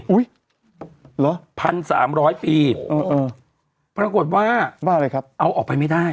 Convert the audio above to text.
เหรอพันสามร้อยปีเออเออปรากฏว่าว่าอะไรครับเอาออกไปไม่ได้